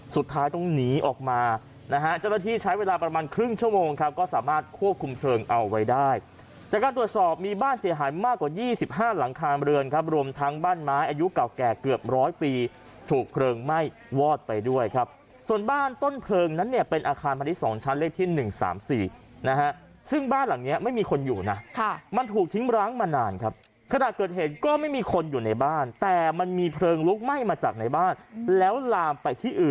สุดท้ายต้องหนีออกมานะฮะเจ้าตัวที่ใช้เวลาประมาณครึ่งชั่วโมงครับก็สามารถควบคุมเพลิงเอาไว้ได้จากการตรวจสอบมีบ้านเสียหายมากกว่า๒๕หลังคาเรือนครับรวมทั้งบ้านไม้อายุเก่าแก่เกือบร้อยปีถูกเพลิงไหม้วอดไปด้วยครับส่วนบ้านต้นเพลิงนั้นเนี่ยเป็นอาคารพันธุ์ที่สองชั้นเลขที่๑๓๔นะฮะซึ